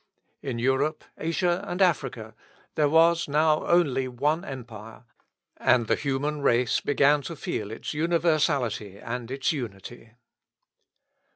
In Europe, Asia, and Africa, there was now only one empire, and the human race began to feel its universality and its unity.